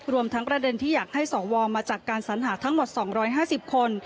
ทั้งประเด็นที่อยากให้สวมาจากการสัญหาทั้งหมด๒๕๐คน